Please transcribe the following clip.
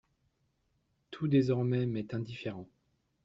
Tout désormais m'est indifférent.